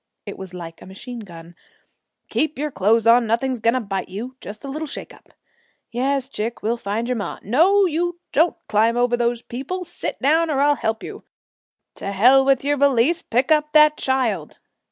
It was like a machine gun: 'Keep your clothes on, nothing's going to bite you just a little shake up Yes, chick, we'll find your ma No, you don't climb over those people; sit down or I'll help you To hell with your valise, pick up that child!